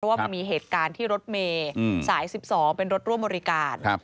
ว่ามันมีเหตุการณ์ที่รถเมย์สาย๑๒เป็นรถร่วมบริการ